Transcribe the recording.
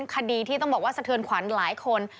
คดีที่ต้องบอกว่าสะเทือนขวัญหลายคน